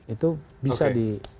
itu bisa di